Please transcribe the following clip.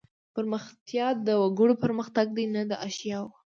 پرمختیا د وګړو پرمختګ دی نه د اشیاوو.